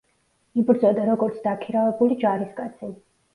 იბრძოდა როგორც დაქირავებული ჯარისკაცი.